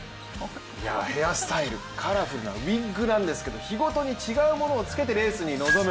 ヘアスタイル、カラフルなウイッグなんですけれども、日ごとに違うものをつけてレースに臨む。